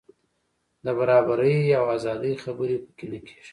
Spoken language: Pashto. د برابرۍ او ازادۍ خبرې په کې نه کېږي.